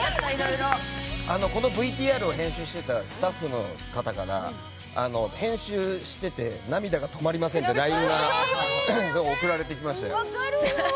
このＶＴＲを編集してたスタッフの方から編集してて涙が止まりませんってＬＩＮＥが送られてきました。